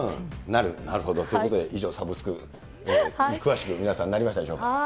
なるほど、ということで、以上、サブスクに詳しく、皆さんなりましたでしょうか。